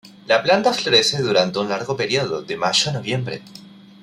La planta florece durante un largo período, de mayo a noviembre.